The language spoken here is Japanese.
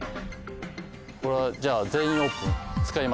これはじゃあ「全員オープン」使います。